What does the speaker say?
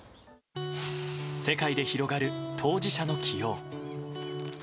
世界で広がる当事者の起用。